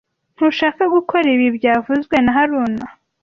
Ntushaka gukora ibi byavuzwe na haruna